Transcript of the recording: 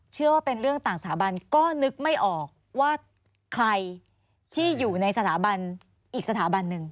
เชื่อว่าเป็นเรื่องต่างสถาบันก็นึกไม่ออกว่าใครที่อยู่ในสถาบันอีกสถาบันหนึ่ง